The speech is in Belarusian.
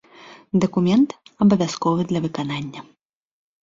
Дакумент абавязковы для выканання.